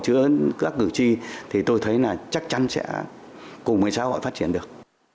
trước các cựu chi thì tôi thấy là chắc chắn sẽ cùng với xã hội phát triển được